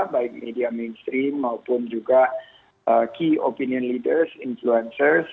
baik media mainstream maupun juga key opinion leaders influencers